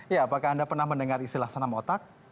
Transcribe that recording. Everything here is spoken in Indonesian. ya apakah anda pernah mendengar istilah senam otak